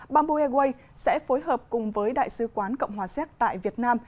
bamboo airways sẽ phối hợp cùng với đại sứ quán cộng hòa xéc tại việt nam